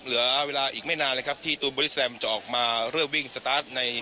เหลือเวลาอีกไม่นานเลยครับที่ตูนบริสแซมจะออกมาเริ่มวิ่งสตาร์ทใน